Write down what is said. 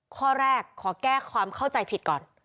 ข้อแรกขอแก้ความเข้าใจผิดก่อน